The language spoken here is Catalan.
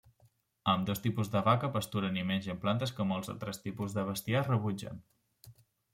Ambdós tipus de vaca pasturen i mengen plantes que molts altres tipus de bestiar rebutgen.